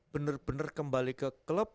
benar benar kembali ke klub